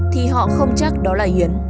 thì họ không chắc đó là yến